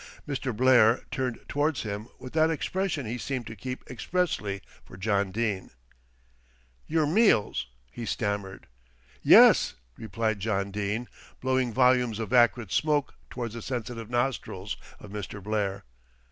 Mr. Blair turned towards him with that expression he seemed to keep expressly for John Dene. "Your meals," he stammered. "Yes," replied John Dene, blowing volumes of acrid smoke towards the sensitive nostrils of Mr. Blair.